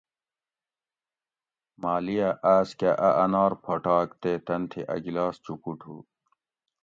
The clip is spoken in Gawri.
مالیہ آس کہ اۤ انار پھوٹاگ تے تن تھی اۤ گلاس چوپوٹ ھو